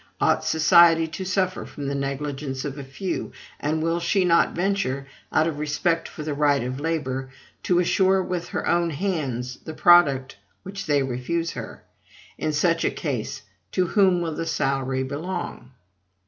Ought society to suffer from the negligence of a few? and will she not venture out of respect for the right of labor to assure with her own hands the product which they refuse her? In such a case, to whom will the salary belong?"